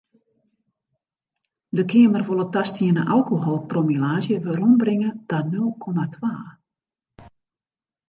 De Keamer wol it tastiene alkoholpromillaazje werombringe ta nul komma twa.